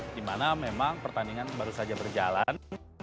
di mana memang pertandingan baru saja berjalan